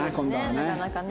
なかなかね。